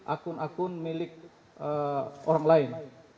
akun akun milik orang lain